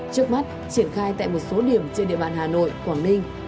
trước mắt triển khai tại một số điểm trên địa bàn hà nội quảng ninh